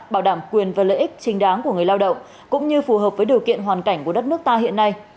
bảo đảm quyền và lợi ích chính đáng của người lao động cũng như phù hợp với điều kiện hoàn cảnh của đất nước ta hiện nay